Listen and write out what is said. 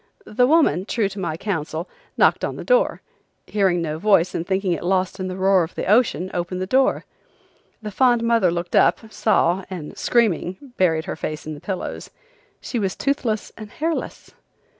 The woman, true to my counsel, knocked on the door; hearing no voice and thinking it lost in the roar of the ocean opened the door. The fond mother looked up, saw, and screaming buried her face in the pillows, She was toothless and hairless!